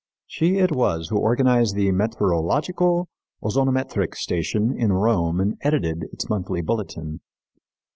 She it was who organized the Meteorologico Ozonometric station in Rome and edited its monthly bulletin.